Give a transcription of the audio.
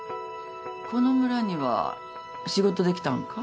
この村には仕事で来たのか？